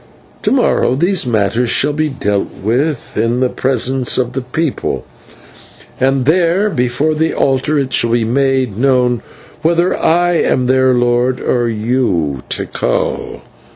To morrow these matters shall be dealt with in the presence of the people, and there, before the altar, it shall be made known whether I am their lord, or you, Tikal.